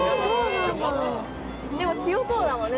でも、強そうだよね。